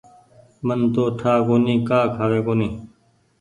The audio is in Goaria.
من تو ٺآ ڪونيٚ ڪآ کآوي ڪونيٚ۔